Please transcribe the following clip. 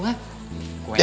gue yang pake